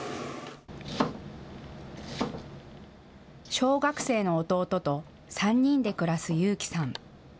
小学生の弟と３人で暮らす優輝さん。